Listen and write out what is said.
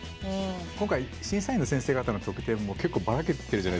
今回審査員の先生方の得点も結構バラけてるじゃないですか？